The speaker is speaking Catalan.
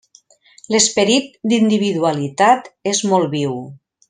L'esperit d'individualitat és molt viu.